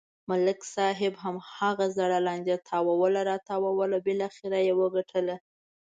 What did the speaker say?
ملک صاحب هماغه زړه لانجه تاووله راتاووله بلاخره و یې گټله.